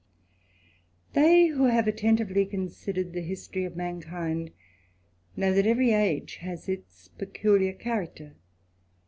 nPHEY who have attentively considered the history of ^ mankind, know that every age has its peculiar character.